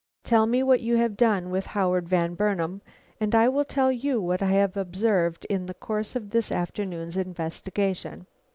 Tell me what you have done with Howard Van Burnam, and I will tell you what I have observed in the course of this afternoon's investigation."